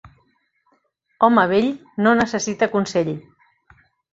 Home vell, no necessita consell.